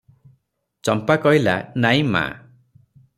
ଚମ୍ପା କହିଲା, "ନାହିଁ ମା!